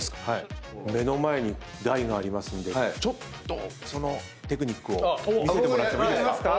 目の前に台がありますんでちょっとそのテクニックを見せてもらってもいいですか？